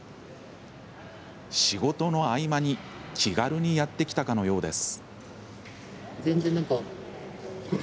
仕事の合間に気軽にやって来たかのようです。